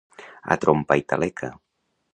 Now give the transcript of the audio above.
A trompa i taleca.